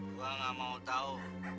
gua gak mau tau